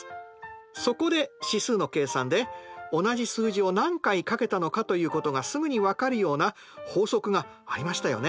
そこで指数の計算で同じ数字を何回かけたのかということがすぐに分かるような法則がありましたよね。